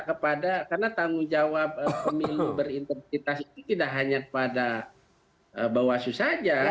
karena tanggung jawab pemilu berinteresitas itu tidak hanya pada bawaslu saja